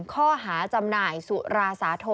ข้อหาจำหน่ายสุราสาโท